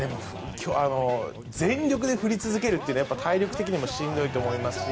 全力で振り続けるというのは体力的にもしんどいと思いますし。